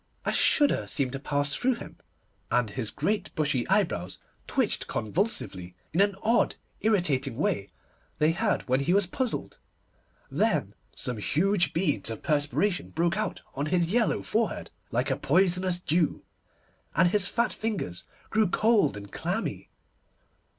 A shudder seemed to pass through him, and his great bushy eyebrows twitched convulsively, in an odd, irritating way they had when he was puzzled. Then some huge beads of perspiration broke out on his yellow forehead, like a poisonous dew, and his fat fingers grew cold and clammy.